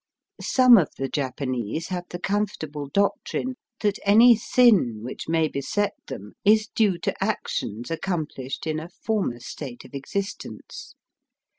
Some of the Japanese have the comfortable doctrine that any sin which may beset them is due to actions accom plished in a former state of existence.